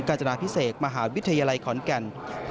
จนาพิเศษมหาวิทยาลัยขอนแก่น